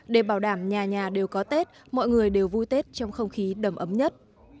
để bảo đảm nhà nhà đều có tết mọi người đều vui tết trong không khí đầm ấm nhất